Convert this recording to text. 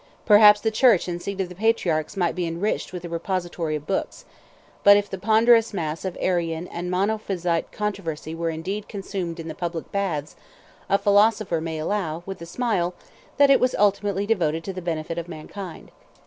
121 Perhaps the church and seat of the patriarchs might be enriched with a repository of books; but if the ponderous mass of Arian and Monophysite controversy were indeed consumed in the public baths, 122 a philosopher may allow, with a smile, that it was ultimately devoted to the benefit of mankind.